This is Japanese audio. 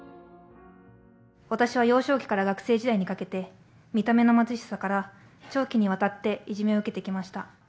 私は幼少期から学生時代にかけて、見た目の貧しさから、長期にわたっていじめを受けてきました。